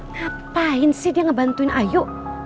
ngapain sih dia ngebantuin ayu